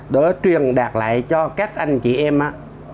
để truyền đạt lại cho các anh chị em á